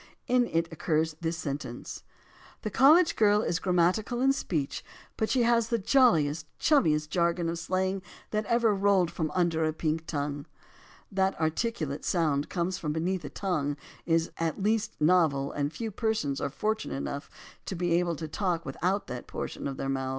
In it occurs this sentence: "The college girl is grammatical in speech, but she has the j oiliest, chummiest jargon of slang that ever rolled from under a pink tongue." That articulate sounds come from beneath the tongue is at least novel and few persons are fortunate enough to be able to talk with that portion of their mouths.